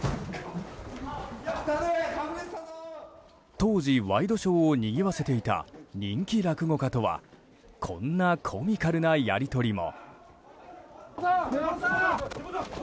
当時、ワイドショーをにぎわせていた人気落語家とはこんなコミカルなやり取りも。